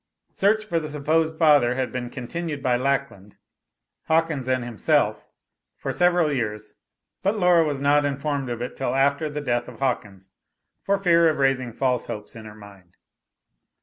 Search for the supposed father had been continued by Lackland, Hawkins and himself for several years, but Laura was not informed of it till after the death of Hawkins, for fear of raising false hopes in her mind.